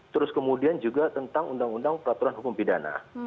terus kemudian juga tentang undang undang peraturan hukum pidana